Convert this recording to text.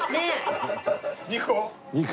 ２個？